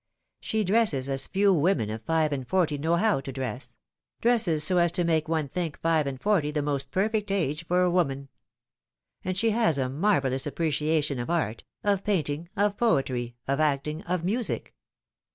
She dresses as few women of five and forty know how to dress dresses so as to make one think five and forty the most perfect age for a woman ; and she has a marvellous appreciation of art, of paint ing, of poetry, of acting, of music.